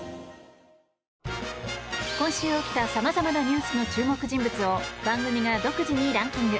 今週起きた様々なニュースの注目人物を番組が独自にランキング。